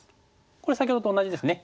これ先ほどと同じですね。